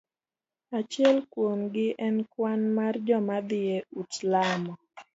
Achiel kuom gi en kwan mar joma dhi e ut lamo.